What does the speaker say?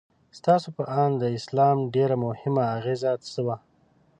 ستاسو په اند د اسلام ډېره مهمه اغیزه څه وه؟